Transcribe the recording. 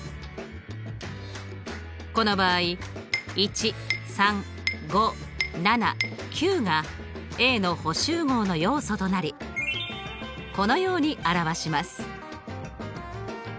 この場合１３５７９がＡの補集合の要素となりこのように表します。